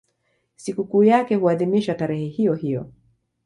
Sikukuu yake huadhimishwa tarehe hiyohiyo.